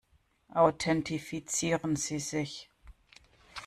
Authentifizieren Sie sich!